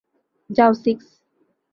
যাও, সিক্স।